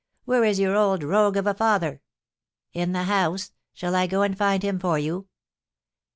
Where is your old rogue of a father?" "In the house. Shall I go and find him for you?"